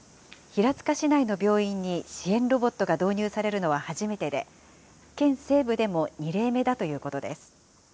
平塚市内の病院に支援ロボットが導入されるのは初めてで、県西部でも２例目だということです。